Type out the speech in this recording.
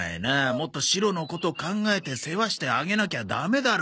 もっとシロのこと考えて世話してあげなきゃダメだろ。